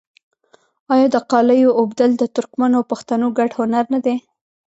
آیا د قالیو اوبدل د ترکمنو او پښتنو ګډ هنر نه دی؟